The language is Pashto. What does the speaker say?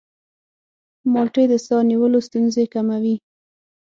مالټې د ساه نیولو ستونزې کموي.